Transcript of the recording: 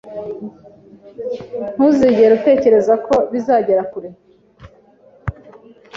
Ntuzigere utekereza ko bizagera kure